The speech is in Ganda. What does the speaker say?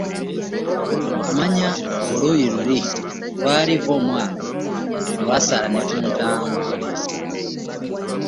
Okumanya oluyi luli lwali'vvoomwange', lwasala ne ku ttama.